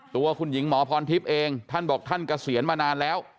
ตัวคุณหญิงหมอพรทิพย์เองท่านบอกท่านเกษียณมานานแล้ว